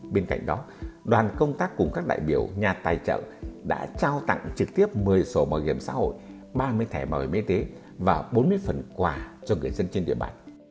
bên cạnh đó đoàn công tác cùng các đại biểu nhà tài trợ đã trao tặng trực tiếp một mươi sổ bảo hiểm xã hội ba mươi thẻ bảo hiểm y tế và bốn mươi phần quà cho người dân trên địa bàn